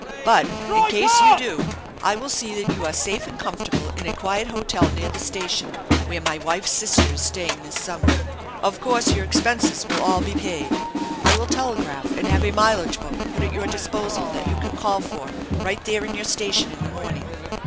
But in case you do I will see that you are safe and comfortable in a quiet hotel neai the station where my wife's sister is staying this summer. Of course your expenses will all be paid. I will telegraph and have a mileage book put at your disposal that you can call for right there in your station in the morning.